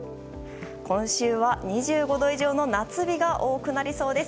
今週は２５度以上の夏日が多くなりそうです。